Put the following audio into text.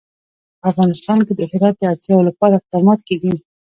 په افغانستان کې د هرات د اړتیاوو لپاره اقدامات کېږي.